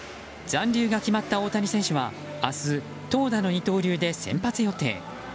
残留が決まった大谷選手は明日投打の二刀流で先発予定。